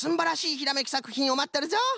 ひらめきさくひんをまっとるぞ！